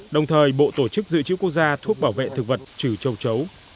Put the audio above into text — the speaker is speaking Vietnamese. đồng thời bộ tổ chức dự trữ quốc gia thuốc bảo vệ thực vật trừ châu chấu